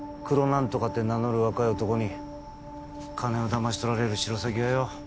なんとかって名乗る若い男に金をだまし取られるシロサギがよ